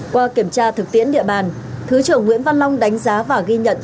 qua kiểm tra thực tiễn địa bàn thứ trưởng nguyễn văn long đánh giá và ghi nhận